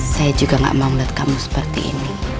saya juga gak mau melihat kamu seperti ini